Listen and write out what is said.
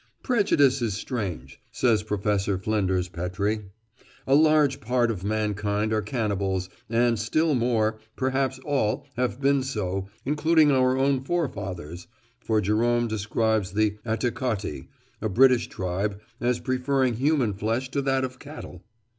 "Prejudice is strange," says Professor Flinders Petrie. "A large part of mankind are cannibals, and still more, perhaps all, have been so, including our own forefathers, for Jerome describes the Atticotti, a British tribe, as preferring human flesh to that of cattle....